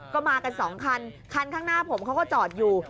ก็มากันสองคันคันข้างหน้าผมเขาก็จอดอยู่